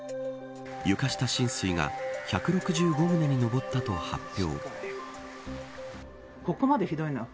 床下浸水が１６５棟に上ったと発表。